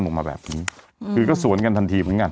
ออกมาแบบนี้คือก็สวนกันทันทีเหมือนกัน